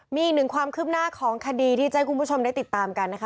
มีอีกหนึ่งความคืบหน้าของคดีที่จะให้คุณผู้ชมได้ติดตามกันนะคะ